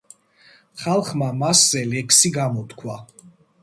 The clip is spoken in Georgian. ხალხმა მასზე ლექსი გამოთქვა.